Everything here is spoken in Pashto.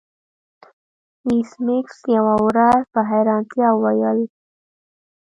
ایس میکس یوه ورځ په حیرانتیا وویل